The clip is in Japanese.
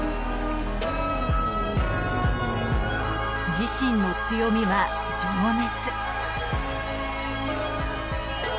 自身の強みは情熱